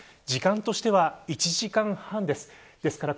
時間としては１時間半です。